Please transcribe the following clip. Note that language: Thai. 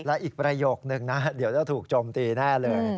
และอีกประโยคนึงนะเดี๋ยวจะถูกโจมตีแน่เลย